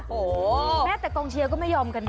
โอ้โหแม้แต่กองเชียร์ก็ไม่ยอมกันนะ